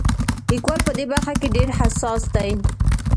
لیکوال په دې برخه کې ډېر حساس دی.